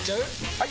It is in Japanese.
・はい！